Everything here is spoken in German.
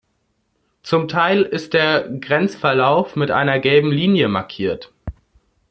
Zum Teil ist der Grenzverlauf mit einer gelben Linie markiert.